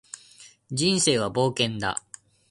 人生は冒険だ